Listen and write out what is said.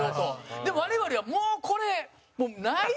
でも、我々はもう、これ、ないでと。